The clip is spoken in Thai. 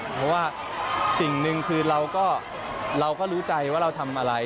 เพราะว่าสิ่งหนึ่งคือเราก็รู้ใจว่าเราทำอะไร